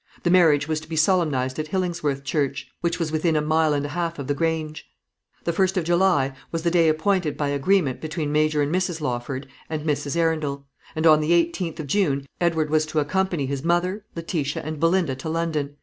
The marriage was to be solemnised at Hillingsworth church, which was within a mile and a half of the Grange. The 1st of July was the day appointed by agreement between Major and Mrs. Lawford and Mrs. Arundel; and on the 18th of June Edward was to accompany his mother, Letitia, and Belinda to London.